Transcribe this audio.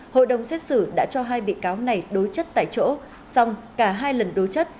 hội đồng xét xử đã cho hai bị cáo này đối chất tại chỗ xong cả hai lần đối chất